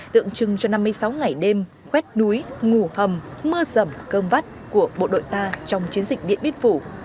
tượng trưng cho năm mươi sáu ngày đêm khuét núi ngủ hầm mưa rầm cơm vắt của bộ đội ta trong chiến dịch điện biên phủ